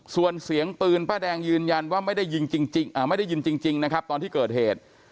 ส่วนเสียงปืนป้าแดงยืนยันว่าไม่ได้ยิงจริงนะครับตอนที่เกิดเหตุ